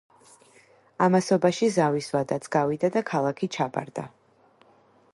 ამასობაში ზავის ვადაც გავიდა და ქალაქი ჩაბარდა.